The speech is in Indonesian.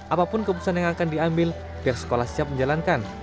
apapun keputusan yang akan diambil pihak sekolah siap menjalankan